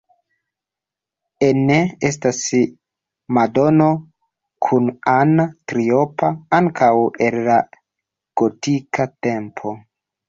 Ene estas madono kun Anna Triopa, ankaŭ el la gotika tempo.